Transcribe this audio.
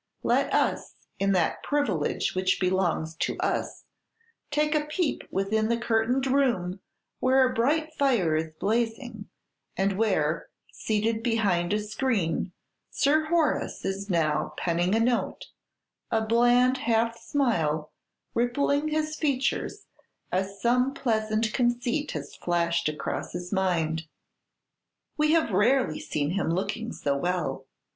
Let us, in that privilege which belongs to us, take a peep within the curtained room, where a bright fire is blazing, and where, seated behind a screen, Sir Horace is now penning a note; a bland half smile rippling his features as some pleasant conceit has flashed across his mind. We have rarely seen him looking so well.